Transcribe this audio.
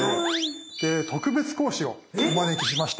で特別講師をお招きしました。